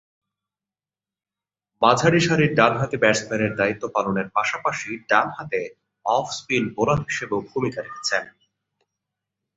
মাঝারি সারির ডানহাতি ব্যাটসম্যানের দায়িত্ব পালনের পাশাপাশি ডানহাতে অফ স্পিন বোলার হিসেবেও ভূমিকা রেখেছেন।